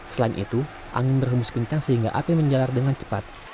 selain itu angin berhembus kencang sehingga api menjalar dengan cepat